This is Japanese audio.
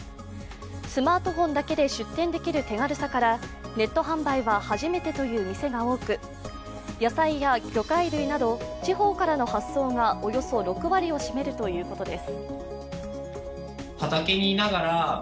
スマートフォンだけで出店できる手軽さからネット販売は初めてという店が多く野菜や魚介類など地方からの発送がおよそ６割を占めるということです。